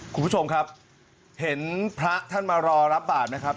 คุณผู้ชมครับเห็นพระท่านมารอรับบาทไหมครับ